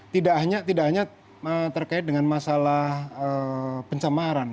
tidak hanya terkait dengan masalah pencemaran